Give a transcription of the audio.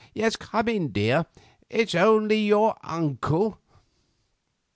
"Yes, come in, dear; it's only your uncle."